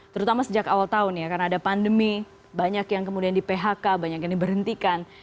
terutama sejak awal tahun ya karena ada pandemi banyak yang kemudian di phk banyak yang diberhentikan